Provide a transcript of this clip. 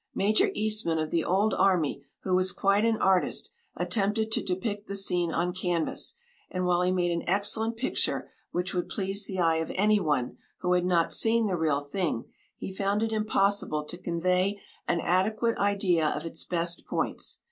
Major Eastman of the old army, who was quite an artist, attempted to depict the scene on canvas, and while he made an excellent picture which would please the eye of anyone who had not seen the real thing, he found it impossible to convey an adequate idea of its best points.